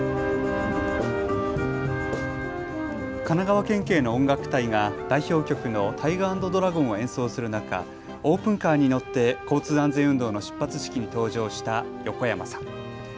神奈川県警の音楽隊が代表曲のタイガー＆ドラゴンを演奏する中、オープンカーに乗って交通安全運動の出発式に登場した横山さん。